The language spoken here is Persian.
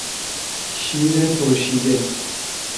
شیر ترشیده